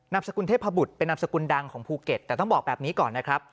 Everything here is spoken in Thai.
สกุลเทพบุตรเป็นนามสกุลดังของภูเก็ตแต่ต้องบอกแบบนี้ก่อนนะครับ